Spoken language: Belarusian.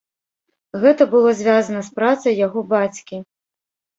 Гэта было звязана з працай яго бацькі.